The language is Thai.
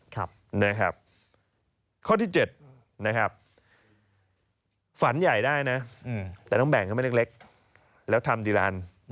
ข้อที่๗นะครับฝันใหญ่ได้นะแต่น้องแบ่งก็ไม่เล็กแล้วทำดีลาน